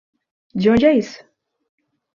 De onde é isso?